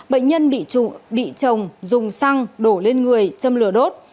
bệnh nhân bị chồng dùng xăng đổ lên người châm lửa đốt